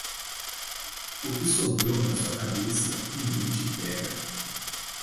O que sobrou na sua cabeça, ninguém te pega.